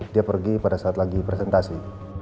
dia pergi pada saat lagi presentasi